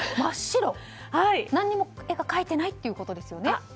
何も絵が描いてないってことですよね。